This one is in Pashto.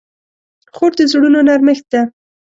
خور د زړونو نرمښت ده.